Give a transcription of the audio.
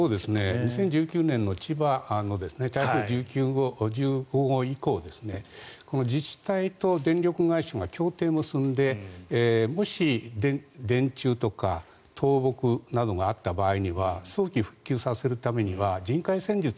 ２０１９年の千葉の台風１５号以降自治体と電力会社が協定を結んでもし、電柱とか倒木などがあった場合には早期復旧させるためには人海戦術。